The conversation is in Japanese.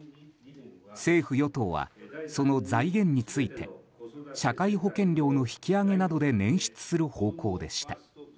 政府・与党は、その財源について社会保険料の引き上げなどで捻出する方向でした。